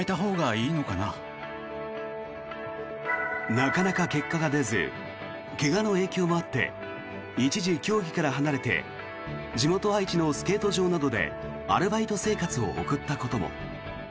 なかなか結果が出ず怪我の影響もあって一時、競技から離れて地元・愛知のスケート場などでアルバイト生活を送ったことも。